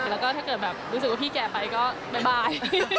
แล้วก็ถ้าเกิดแบบรู้สึกว่าพี่แก่ไปก็ไม่บาย